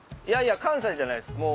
いやいや関西じゃないっす